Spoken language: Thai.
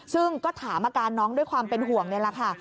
ซึ่งก็ถามอาการน้องด้วยความเป็นห่วงนี่แหละค่ะ